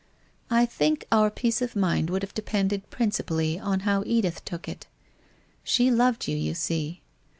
I think our peace of mind would have depended prin cipally on how Edith took it? She loved you, you see?